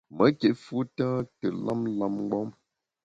Me kit fu tâ te lam lam mgbom.